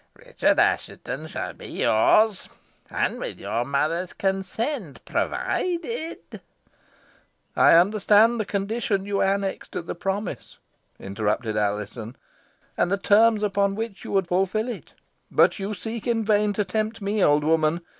Richard Assheton shall be yours, and with your mother's consent, provided " "I understand the condition you annex to the promise," interrupted Alizon, "and the terms upon which you would fulfil it: but you seek in vain to tempt me, old woman.